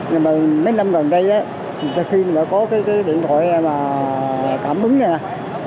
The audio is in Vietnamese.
nhưng mà mấy năm gần đây khi mà có cái điện thoại cảm ứng này